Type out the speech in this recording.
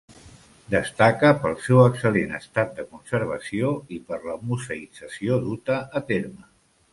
Destaca pel seu excel·lent estat de conservació i per la museïtzació duta a terme.